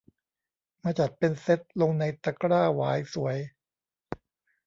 มาจัดเป็นเซตลงในตะกร้าหวายสวย